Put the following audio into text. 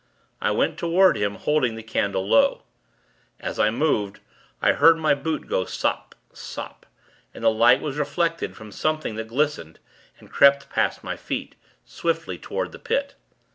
I went toward him, holding the candle low. As I moved, I heard my boot go sop, sop; and the light was reflected from something that glistened, and crept past my feet, swiftly toward the Pit.